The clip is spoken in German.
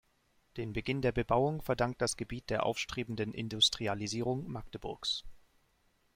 Den Beginn der Bebauung verdankt das Gebiet der aufstrebenden Industrialisierung Magdeburgs.